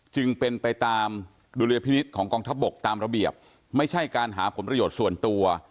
จึงเป็นไปตามดุลยพินิษฐ์ของกองทัพบกตามระเบียบไม่ใช่การหาผลประโยชน์ส่วนตัว